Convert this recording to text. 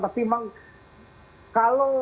tapi memang kalau